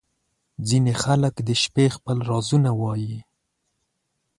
• ځینې خلک د شپې خپل رازونه وایې.